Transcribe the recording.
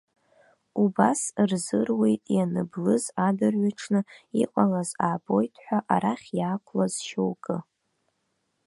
Убас рзыруит ианыблыз адырҩаҽны иҟалаз аабоит ҳәа арахь иаақәлаз шьоукгьы.